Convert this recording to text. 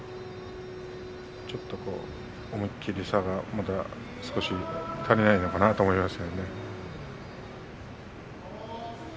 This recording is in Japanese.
ちょっとまだ思い切りさが足りないのかなと思いますね。